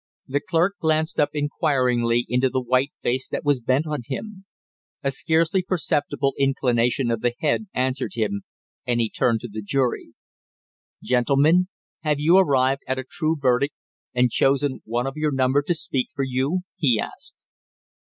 The clerk glanced up inquiringly into the white face that was bent on him. A scarcely perceptible inclination of the head answered him, and he turned to the jury. "Gentlemen, have you arrived at a true verdict, and chosen one of your number to speak for you?" he asked.